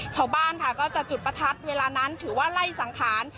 ชาวบ้านค่ะก็จะจุดประทัดเวลานั้นถือว่าไล่สังขาร